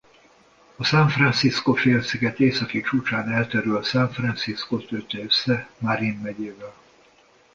A San Francisco-félsziget északi csúcsán elterülő San Franciscót köti össze Marin megyével.